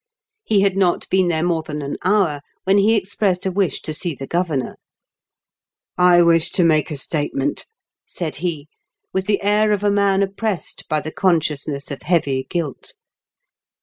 He had not been there more than an hour when he expressed a wish to see the governor. "I wish to make a statement," said he, with the air of a man oppressed by the con sciousness of heavy guilt.